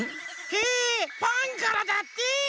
へえファンからだって！